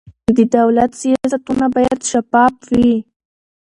د دولت سیاستونه باید شفاف وي